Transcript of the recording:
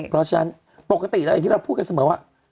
เพราะฉะนั้นปกติแล้วอย่างที่เราพูดกันเสมอว่า